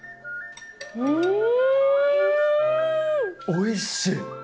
おいしい！